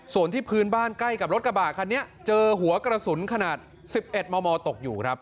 ส่วนที่พื้นบ้านใกล้กับรถกระบะคันนี้เจอหัวกระสุนขนาด๑๑มมตกอยู่ครับ